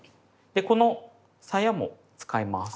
でこのさやも使います。